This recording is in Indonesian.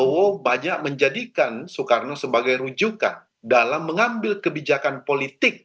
pak prabowo banyak menjadikan soekarno sebagai rujukan dalam mengambil kebijakan politik